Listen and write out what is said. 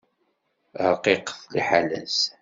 Ṛqiqet liḥala-s.